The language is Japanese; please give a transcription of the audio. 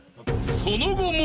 ［その後も］